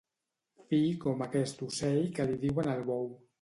Fi com aquest ocell que li diuen el bou.